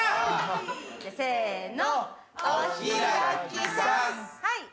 せの。